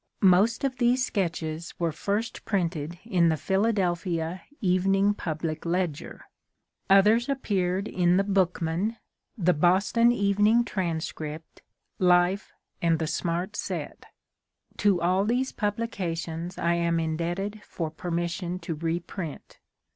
Most of these sketches were first printed in the Philadelphia Evening Public Ledger; others appeared in The Bookman, the Boston Evening Transcript, Life, and The Smart Set. To all these publications I am indebted for permission to reprint.